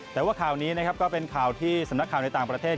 แต่ว่าข่าวนี้นะครับก็เป็นข่าวที่สำนักข่าวในต่างประเทศ